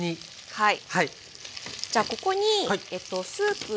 はい。